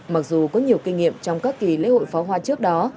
mặc dù có nhiều kinh nghiệm trong các kỳ lễ hội pháo hoa trước đó